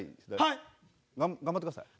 はい！頑張ってください。